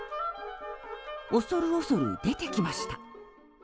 恐る恐る出てきました。